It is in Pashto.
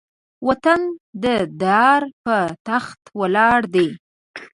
وطن د دار بۀ تخته ولاړ دی